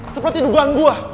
seperti dugaan gue